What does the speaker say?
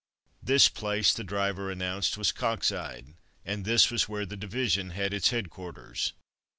This place the driver announced was Coxyde — and this was where the division had its headquarters.